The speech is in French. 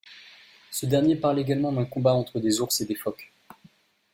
Ce dernier parle également d'un combat entre des ours et des phoques.